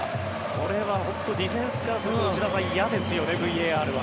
これはディフェンスからすると嫌ですよね、ＶＡＲは。